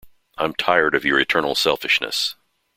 I'm tired of your eternal selfishness!